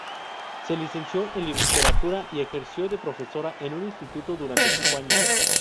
Se licenció en Literatura y ejerció de profesora en un instituto durante cinco años.